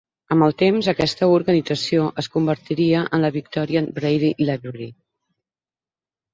Amb el temps, aquesta organització es convertiria en la "Victorian Braille Library".